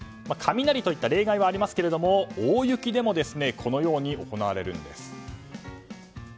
雷といった例外はありますが大雪でもこのように行われるんです。